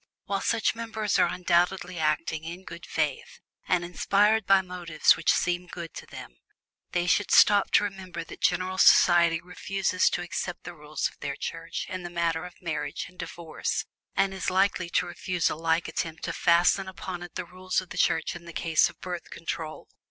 While such persons are undoubtedly acting in good faith, and inspired by motives which seem good to them, they should stop to remember that general society refuses to accept the rules of their Church in the matter of Marriage and Divorce, and is likely to refuse a like attempt to fasten upon it the rules of the Church in the case of Birth Control.